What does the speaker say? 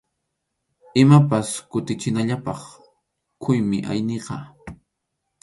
Imapas kutichinallapaq quymi ayniqa.